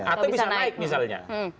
atau bisa naik misalnya